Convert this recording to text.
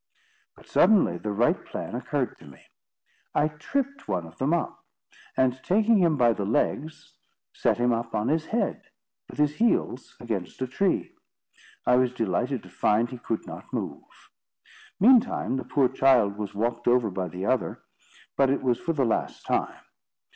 But suddenly the right plan occurred to me. I tripped one of them up, and, taking him by the legs, set him up on his head, with his heels against a tree. I was delighted to find he could not move. Meantime the poor child was walked over by the other, but it was for the last time.